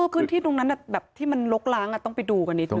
พื้นที่ตรงนั้นแบบที่มันลกล้างต้องไปดูกันนิดน